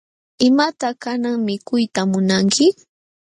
¿Imataq kanan mikuyta munanki?